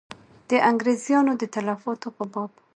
د انګرېزیانو د تلفاتو په باب.